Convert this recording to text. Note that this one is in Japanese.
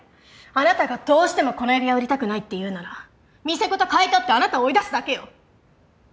あなたがどうしてもこの指輪を売りたくないって言うなら店ごと買い取ってあなたを追い出すだけよ！